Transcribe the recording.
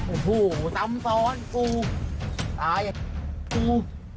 โอ้โหซ้ำซ้อนกูตายกู